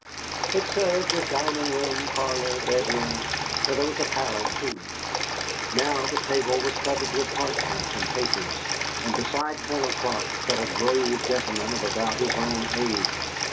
It served as dining room, parlor, bedroom, for there was a pallet too. Now the table was covered with parchments and papers, and beside Colonel Clark sat a grave gentleman of about his own age.